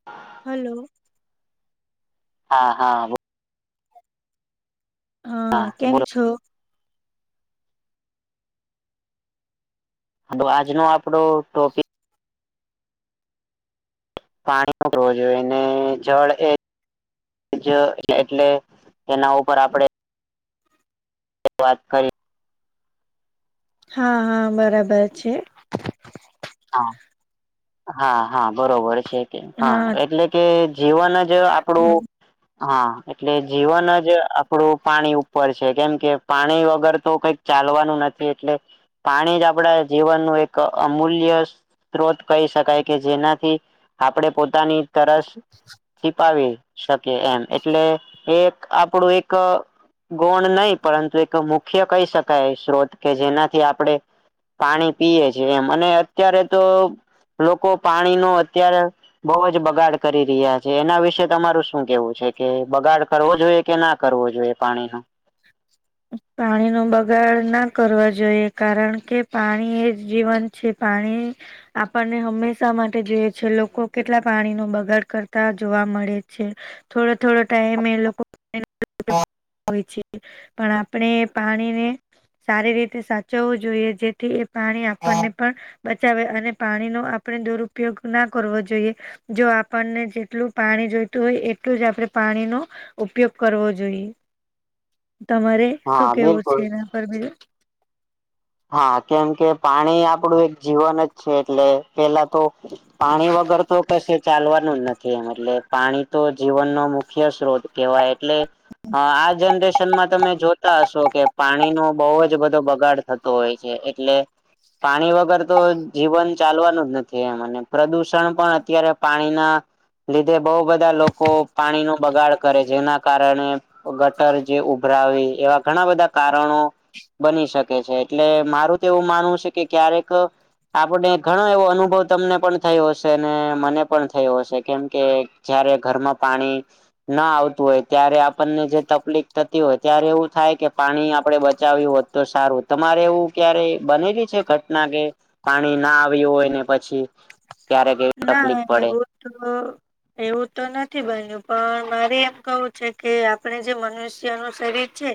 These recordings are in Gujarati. [inaudible] હલો હા હા બો હા કેમ છો હ આજનો આપડો ટોપિક પાણીકવું જોઈએને જળ એ એટલે એના ઉપર આપડે વાત કરીરી હા હા બરાબર છે. હા હા હા બરોબર છે કે હા એટલે કે જીવન જ જે આપડું. હા એટલે જીવન જ આપડું પાણી ઉપર છે કેમ કે પાણી વગર તો કઈક ચાલવાનું નથી એટલે પાણી જ આપણા જીવનનું એક અમૂલ્ય. સ્ત્રોત કહી શકાય કે જેનાથી આપણે પોતાની તરસ છિપાવી શકે એમ એટલે એક આપણું એક ગુણ નહીં પરંતુ એક મુખ્ય કહી શકાય સ્ત્રોત કે જેનાથી આપણે પાણી પીએ છે એમ અને અત્યારે તો લોકો પાણી ન અત્યારે બહુ જ બગાડ કરી રહ્યા છે એના વિશે તમારું શું કેવું છે કે બગાડ કરવો જોઈએ કે ના કરવો જોઈએ. પાણીનું. પાણી નો બગાડ ના કરવા જોઈએ કારણ કે પાણી એ જીવન જે પાણી આપણને હંમેશા માટે જોઈએ છે લોકો કેટલા પાણી ન બગાડ કરતા જોવા મળે છે. થોડો થોડો ટાઈમે એ લોકો હોય છે. પણ આપણે પાણી ને સારી રીતે સાચવવું જોઈએ જેથી એ પાણી આપણને પણ બચાવે અને પાણીનો આપણે દુરુપયોગ ના કરવો જોઈએ. જો આપણને જેટલું પાણી જોઈતું હોય એટલું જ આપણે પાણીનું. ઉપયોગ કરવો જોઈએ તમારે હા શું કેવું છે બિલકુલ એના પર બી. હા કેમ કે પાણી આપડું એક જીવન જ છે એટલે પેલા તો પાણી વગર તો કશું ચાલવાનું જ નથી એમ એટલે પાણી તો જીવન ન મુખ્ય સ્તોત્ર કેવાય એટલે હ આ જનરેશનમાં તમે જોતા હશો કે પાણી નો બહુ જ બધો બગાડ થતો હોય છે એટલે પાણી વગર તો જીવન ચાલવાનું જ નથી એ મને પ્રદુષણ પણ અત્યારે પાણીના લીધે બહુ બધા લોકો પાણી ન બગાડ કરે જેના કારણે ગટર જે ઉભરાવે એવા ઘણા બધા કારણો બની શકે. છે એટલે મારું તો એવું માનવું છે કે ક્યારેક. આપડ ઘણો એવો અનુભવ તમને પણ થયો હશે અને મને પણ થયો હશે કેમ કે. જયારે ઘરમાં પાણી. ના આવતું હોય ત્યારે આપણને જે તકલીફ થતી હોય ત્યારે એવું થાય કે પાણી આપડે બચાવ્યું હો. ધસારો. તમારે એવું ક્યારે બનેલી છે ઘટના કે પાણી ના આવ્યું હોયને પછી. ક્યારેક એવી ના તકલીફ પડે એવું તો. એવું તો નથી બન્યું પણ મારે એમ કવું છે કે આપણે જે મનુષ્ય નું શરીર છે.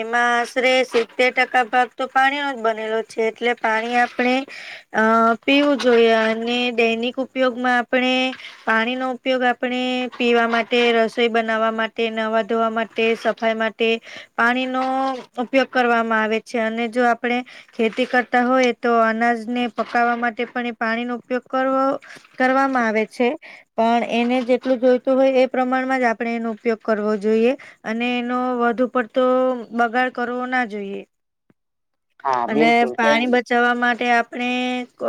એમાં આશરે સિત્તેર ટકા ભાગ તો પાણીનો જ બનેલો છે એટલે પાણી આપણે અ પીવું જોઈએ અને દૈનિક ઉપયોગમાં આપણે પાણીનોો ઉપયોગ આપણે પીવા માટે રસોઈ બનાવવા માટે નવા ધોવા માટે સાઈ માટે પાણીનો ઉપયોગ કરવામાં આવે છે અને જો આપણે. ખેતી કરતા હોય તો અનાજને પકાવવા માટે પણ એ પાણી નો ઉપયોગ કરવો. કરવામાં આવે છે. પણ એને જેટલું જોઈતું હોય એ પ્રમાણમાં જ આપણે એનો ઉપયોગ કરવો જોઈએ. અને એનો વધુ પડતો બગાડ કરવો ના જોઈએ હા અને બિલકુલ કેમ પાણી બચાવવા માટે આપણે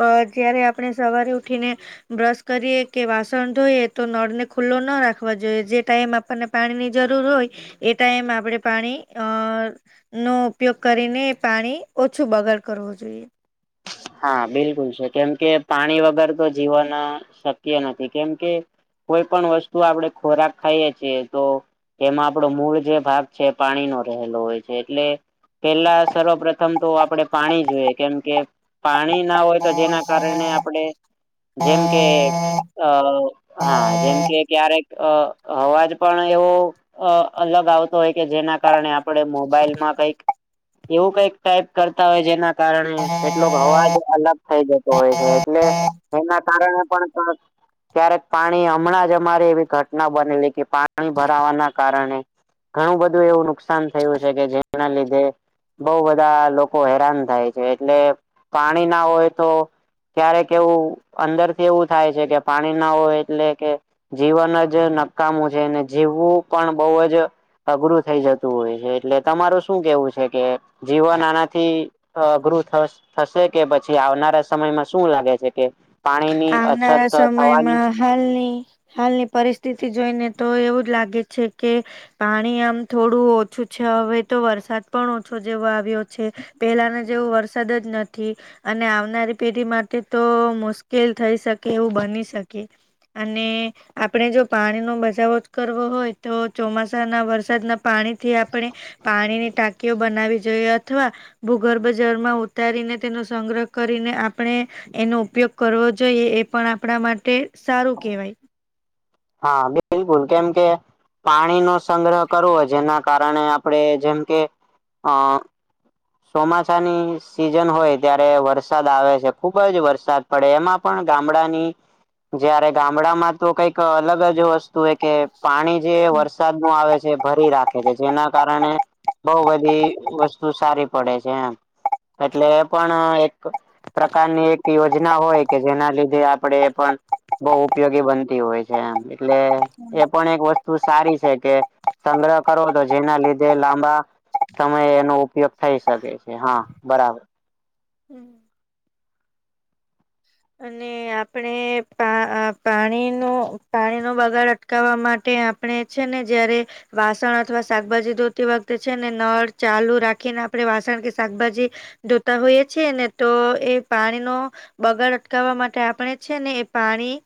અ જયારે આપણે સવારે ઉઠીને બ્રશ કરીએ કે વાસણ ધોઈએ તો નળને ખુલ્લો ના રાખવા જોઈએ જે ટાઈમ આપણને પાણી ની જરૂર હોય એ ટાઈમ આપણેે પાણી અ નો ઉપયોગ કરીને પાણી ઓછું બગાડ કરવું જોઈએ. હા બિલકુલ છે કેમ કે પાણી વગર તો જીવન શક્ય નથી કેમ કે કોઈ પણ વસ્તુ આપણેે ખોરાક ખાઈએ છીએ તો એમાં આપડો મૂળ જે ભાગ છે પાણીનો રહેલો હોય છે એટલે પેલા સર્વ પ્રથમ તો આપણેે પાણી જોઈએ કેમ કે પાણી ના હોય તો જેના કારણે આપડે જેમ કે અ હા જેમ કે ક્યારેક અ અવાજ પણ એવો અ અલગ આવતો હોય કે જેના કારણે આ આપડે મોબાઈલમાં કઈક એવું કઈક ટાઈપ કરતા હોય જેના કારણે કેટલોક અવાજ અલગ થઈ જતો હોય છે એટલે એના કારણે પણ કાક ક્યારેક પાણી હમણાં જ અમારે એવી ઘટના બનેલી કે પાણી ભરાવાના કારણે ઘણું બધું એવું નુકસાન થયું છે કે જેના લીધે બઉ બધા લોકો હેરાન થાય છે એટલે પાણી ના હોય તો ક્યારેક એવું અંદરથી એવું થાય છે કે પાણી ના હોય એટલે કે જીવન જ નકામું છે ને જીવવું પણ બહુ અ જ અઘરું થઈ જતું હોય છે એટલે તમારું શું કેવું છે કે જીવન આનાથી અઘરું થ થશે કે પછી આવનારા સમયમાં શું લાગે છે કે પાણી ની અછત આવનારા ત થવાની સમયમાં હાલની હાલની પરિસ્થિતિ જોઈને તો એવું જ લાગે છે કે પાણી આમ થોડું ઓછું છે હવે તો વરસાદ પણ ઓછો જેવો આવ્યો છે પેલાના જેવું વરસાદ જ નથી અને આવનારી પેઢી માટે તો મુશ કેલ થઈ શકે એવું બની શકે અને આપણે જો પાણીનો બચાવો કરવો હોય તો ચોમાસાના વરસાદના પાણીથી આપણે પાણીની ટાંકીઓ બનાવી જોઈએ અથવા ભૂગર્ભ જળમાં ઉતારીને તેનો સંગ્રહ કરીને આપણે એનો ઉપયોગ કરવો જોઈએ એ પણ આપણા માટે સારું કહેવાય હા બિલકુલ કેમ કે પાણીનો સંગ્રહ કરવો જેના કારણે આપણે જેમ કે અ ચોમાસાની સિઝન હોય ત્યારે વરસાદ આવે છે ખુબ જ વરસાદ પડે એમાં પણ ગામડાની જયારે ગામડા માં તો કઈક અલગ જ વસ્તુ તું હે કે પાણી જે હમ. વરસાદનું આવે છે ભરી રાખે છે જેના કારણે બઉ બધી વસ્તુ સારી પડે છે એમ એટલે એ પણ એક પ્રકારની એક યોજના હોય કે જેના લીધે આપણેે પણ બહુ ઉપયોગી બનતી હોય છે એમ એટલે એ પણ એક વસ્તુ સારી છે કે સંગ્રહ કરો તો જેના લીધે લાંબા સમયે એનો ઉપયોગ થઈ શકે છે હા બરાબર હમ. ને આપણે પા પાણીનો પાણીનો બગાડ અટકાવવા માટે આપણે છે ને જયારે વાસણ અથવા શાકભાજી ધોતી વખતે છે ને નળ ચાલુ રાખીને આપણે વાસણ કે શાકભાજી ધોતા હોઈએ છીએ ને તો એ પાણીનો બગાડ અટકાવવા માટે કે આપણે છે ને એ પાણી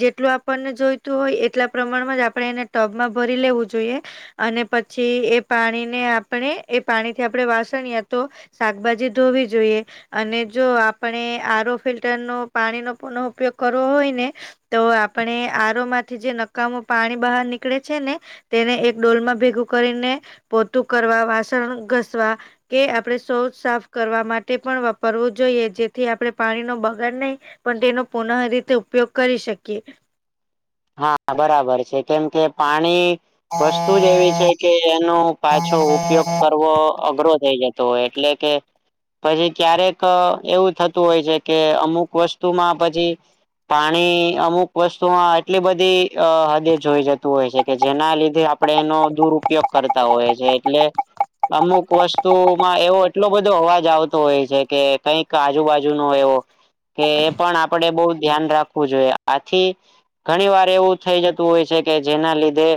જેટલું આપણને જોઈતું હોય એટલા પ્રમાણમાં જ આપણે એને ટબમાં ભરી લેવું જોઈએ. અને પછી એ પાણીને આપણે એ પાણીથી આપણે વાસણીઆ તો શાકભાજી ધોવી જોઈએ અને જો આપણે આરો ફિલ્ટરનો પાણીનો પૂનહ ઉપયોગ કરવો હોય ને તો આપણે આરો માંથી જે નકામું પાણી બહાર નીકળે છે ને તેને એક ડોલમાં ભેગું કરીને પોતું કરવા વાસણ ઘસવા કે આપણે શૌચ સાફ કરવા માટે પણ વાપરવું જોઈએ જેથી આપણે પાણી નો બગાડ નહી પણ તેનો પુનઃ રીતે ઉપયોગ કરી શકીએ. હા બરાબર છે કેમ કે પાણી વસ તું જ એવી છે કે એનો પાછો ઉપયોગ કરવો અઘરો થઈ જતો હોય એટલે કે પછી ક્યારેક એવું થતું હોય છે કે અમુક વસ્તુમાં પછી પાણી અમુક વસ્તુમાં એટલી બધી હદે જોઈ જતું હોય છે કે જેના લીધે આપણે એનો દુરપયોગ કરતા હોય છે એટલે અમુક વસ્તુમાં એવો એટલો બધો અવાજ આવતો હોય છે કે કઈક આજુબાજુ નો એવો કે એ પણ આપડે બહુ ધ્યાન રાખવું જોઈએ આથી ઘણી વાર એવું થઈ જતું હોય છે કે જેના લીધે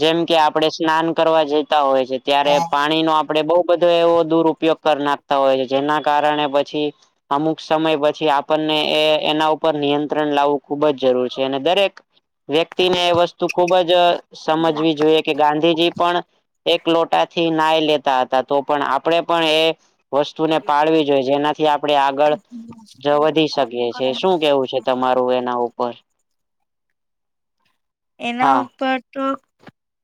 જેમ કે આપણે સ્નાન કરવા જતા હોય છે ત્યારે પાણીનો આપડે બઉ બધો એવો દુર ઉપયોગ કર નાખતા હોય છે જેના કારણે પછી અમુક સમય પછી આપણને એ એના ઉપર નિયંત્રણ લાવવું ખુબ જ જરૂર છે. અને દરેક વ્યક્તિને એ વસ્તુ ખુબ જ સમજવી જોઈએ. કે ગાંધીજી પણ એકલોટાથી નાય લેતા હતા તો પણ આપણેે પણ એ વસ્તુને પાળવી જોઈએ જેનાથી આપણે આગળ જો વધી શકે છે શું કેવું છે તમારું એના ઉપર એના હા ઉપર તો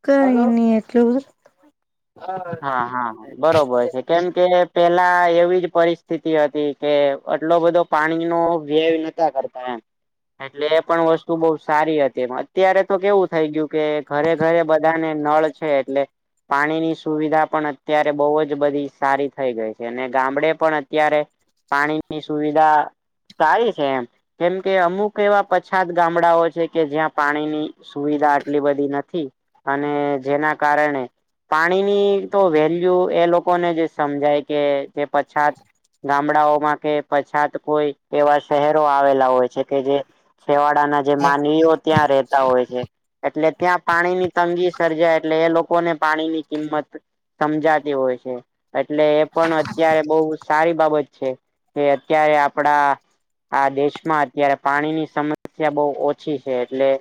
કરી ન એટલુ હા હા બરોબર છે. કેમ કે પેલા એવી જ પરિસ્થિતિ હતી કે આટલો બધો પાણી નો વ્યય નતા કર હા. એટલે એ પણ વસ્તુ બહું સારી હતી એ અત્યારે તો કેવું થઈ ગયું કે ઘરે ઘરે બધાને નળ છે એટલે પાણીની સુવિધા પણ અત્યારે બહુ જ બધી સારી થઈ ગઈ છે અને ગામડે પણ અત્યારે પાણીની સુવિધા સારી છે એમ કેમ કે અમુક એવા પછાત ગામડાઓ છે કે જ્યાં પાણીની સુવિધા આટલી બધી નથી અને જેના કારણે પાણીની તો વેલ્યુ એ લોકોને જ સમજાય કે જે પછાત ગામડાઓમાં કે પછાત કોઈ એવા શહેરો આવેલા હોય છે કે જે છેવાડાના જે માનવીઓ ત્યાં રે તા હોય છે એટલે ત્યાં પાણી ની તંગી સર્જાય એટલે એ લોકોને પાણી ની કિંમત સમજાતી હોય છે એટલે એ પણ અત્યારે બહું સારી બાબત છે. કે અત્યારે આપડા આ દેશમાં અત્યારે પાણીની સમસ્યા બહુ ઓછી છે એટલે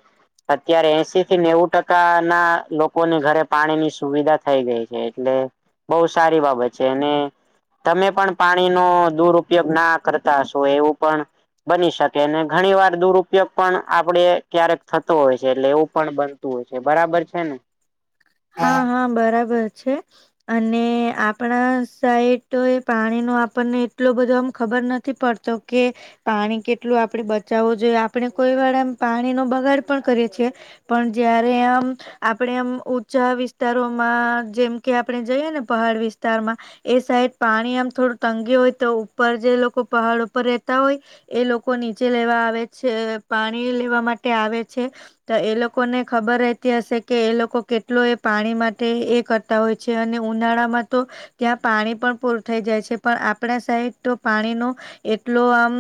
અત્યારે એસી થી નેવું ટકા ના લોકોની ઘરે પાણી ની સુવિધા થઈ ગઈ છે એટલે બહુ સારી બાબત છે અને તમે પણ પાણીનો દુરપયોગ ના કરતા હશો એવું પણ બની શકે ને ઘણી વાર દુરુપયોગ પણ આપડે ક્યારેક થતો હોય છે એટલે એવું પણ બ એવું છે બરાબર છે ને હા હા બરાબર છે. અને આપણા સાઈટ એ પાણીનો આપણને એટલો બધો આમ ખબર નથી પડ તો કે પાણી કેટલું આપણેે બચાવવું જોઈએ આપણે કોઈ વાળામાં પાણી નો બગાડ પણ કરીએ છીએ પણ જયારે એમ આપડે એમ ઓ ચા વિસ્તારોમાં જેમ કે આપણે જઈએ ને પહાડ વિસ્તારમાં એ સાઈડ પાણી આમ થોડું તંગી હોય તો ઉપર જે લોકો પહાડ ઉપર રહેતા હોય એ લોકો નીચે લેવા આવે છે પાણી લેવા માટે આવે છે. તો એ લોકો ને ખબર રહેતી હશે કે એ લોકો કેટ એટલો એ પાણી માટે એ કરતા હોય છે અને ઉનાળામાં તો ત્યાં પાણી પણ પૂરું થઈ જાય છે પણ આપણા સાઈડ તો પાણીનું એટલો આમ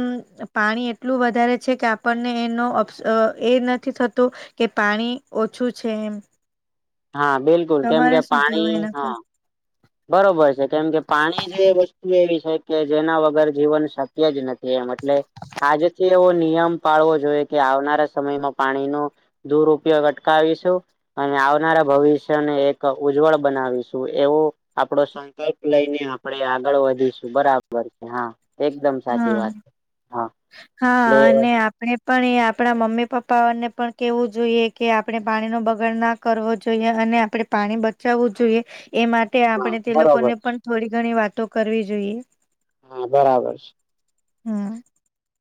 પાણી એટલું વધારે છે કે આપણને એનો અપ એ નથી થતું કે પાણી ઓછું છે એમ હા બિલકુલ કેમ કે તમારે શું પાણી કેવું એના હા [inaudible] બરોબર છે કેમ કે પાણી જે વસ્તુ એવી છે કે જેના વગર જીવન શક્ય જ નથી એમ એટલે આજથી એવો નિયમ પાળવો જોઈએ કે આવનારા સમયમાં પાણીનો દુરપયોગ અટકાવીશું અને આ મારા ભવિષ્યને એક ઉજ્જવળ બનાવીશું એવું આપડો સંકલ્પ લઈને આપડે આગળ વધીશું બરાબર છે હા એકદમ સાચી હા વાત છે. હા અને આ આપણે પણ એ આપણા મમ્મી પપ્પાને પણ કેવું જોઈએ કે આપણે પાણી નો બગાડ ના કરવો જોઈએ અને આપણે પાણી બચાવવું જોઈએ એ માટે તે હા આપણે તે બરોબર લોકોને પણ થોડી ઘણી વાતો કરવી જોઈએ. હમ્મ બરાબર છે હમ્મ.